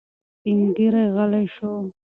سپین ږیری غلی شو.